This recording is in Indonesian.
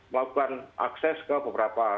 melakukan akses ke beberapa